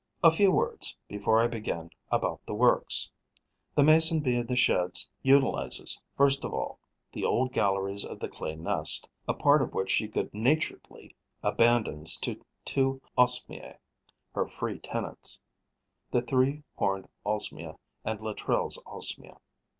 A few words, before I begin, about the works. The Mason bee of the Sheds utilizes, first of all, the old galleries of the clay nest, a part of which she good naturedly abandons to two Osmiae, her free tenants: the Three horned Osmia and Latreille's Osmia.